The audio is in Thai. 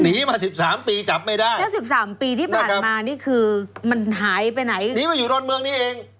นี่มันอยู่รถเมืองนี้เอง